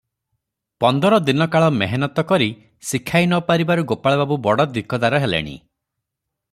ପନ୍ଦର ଦିନକାଳ ମେହନତ କରି ଶିଖାଇ ନ ପାରିବାରୁ ଗୋପାଳବାବୁ ବଡ଼ ଦିକଦାର ହେଲେଣି ।